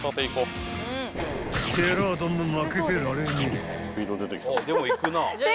［ジェラードンも負けてられねえ］